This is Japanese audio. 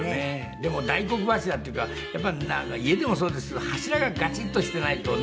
でも大黒柱っていうかやっぱり家でもそうですけど柱がガチッとしていないとね。